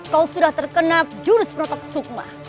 kau sudah terkena jurus protoksukma